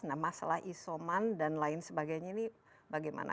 nah masalah isoman dan lain sebagainya ini bagaimana